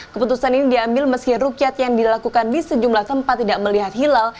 keputusan ini diambil meski rukyat yang dilakukan di sejumlah tempat tidak melihat hilal